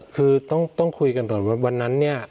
คือต้องคุยกันก่อนว่าวันนั้นเนี่ย